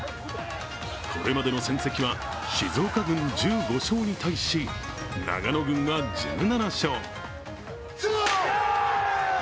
これまでの戦績は、静岡軍１５勝に対し、長野軍が１７勝。